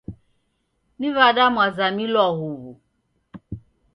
Ni w'ada mwazamilwa huwu?